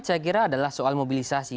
saya kira adalah soal mobilisasi